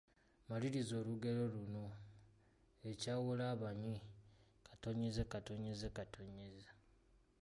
Maliriza olugero luno: Ekyawula abanywi, …..